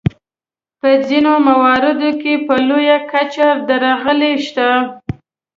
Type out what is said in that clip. په ځینو مواردو کې په لویه کچه درغلۍ شته.